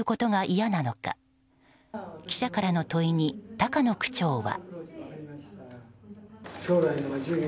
記者からの問いに高野区長は。